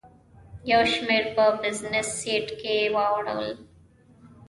یو شمېر په بزنس سیټ کې واړول.